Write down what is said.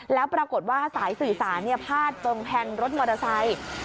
แล้วปรากฏว่าสายสื่อสารพาดตรงแพงรถมอเตอร์ไซค์